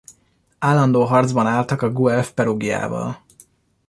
Állandó harcban álltak a guelf Perugiával.